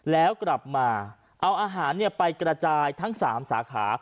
แล้วกลับมาเอาอาหารไปกระจายทั้ง๓สาขา